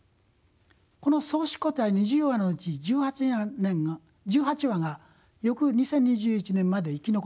この創始個体２０羽のうち１８羽が翌２０２１年まで生き残り繁殖しました。